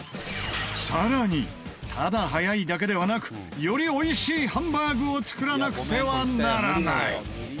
更にただ早いだけではなくよりおいしいハンバーグを作らなくてはならない